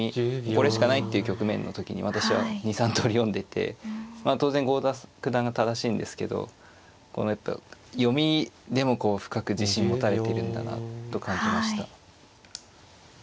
これしかないっていう局面の時に私は２３通り読んでいて当然郷田九段が正しいんですけど読みでもこう深く自信持たれてるんだなと感じました。